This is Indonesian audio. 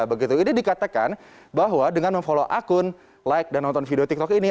begitu ini dikatakan bahwa dengan memfollow akun like dan nonton video tiktok ini